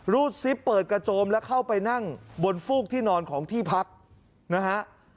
รูดซิปเปิดกระโจมแล้วเข้าไปนั่งบนฟูกที่นอนของที่พักนะฮะ